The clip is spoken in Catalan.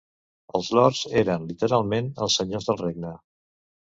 Els Lords eren literalment els senyors del regne.